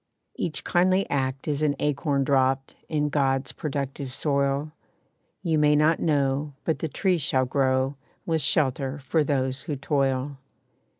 Each kindly act is an acorn dropped In God's productive soil You may not know, but the tree shall grow, With shelter for those who toil.